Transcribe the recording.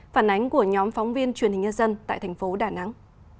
phản ánh của nhóm phóng viên truyền hình nhân dân tại thành phố đà nẵng